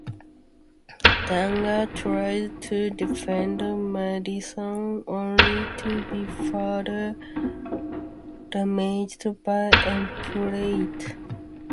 Danger tries to defend Madison only to be further damaged by Emplate.